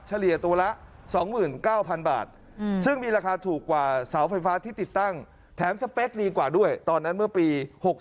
เลี่ยตัวละ๒๙๐๐บาทซึ่งมีราคาถูกกว่าเสาไฟฟ้าที่ติดตั้งแถมสเปคดีกว่าด้วยตอนนั้นเมื่อปี๖๓